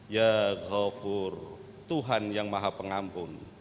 ya ghafur tuhan yang maha pengampun